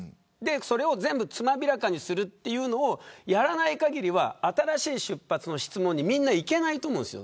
それを全部つまびらかにするというのをやらないかぎりは新しい出発の質問にみんないけないと思うんです。